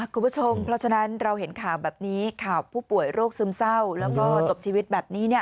คุณผู้ชมเพราะฉะนั้นเราเห็นข่าวแบบนี้ข่าวผู้ป่วยโรคซึมเศร้าแล้วก็จบชีวิตแบบนี้